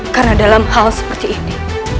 karena dalam hal seperti ini